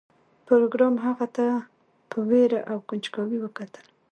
پروګرامر هغه ته په ویره او کنجکاوی وکتل